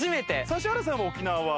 指原さんは沖縄は？